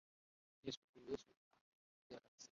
Yesu, huyu Yesu hakujitetea kabisa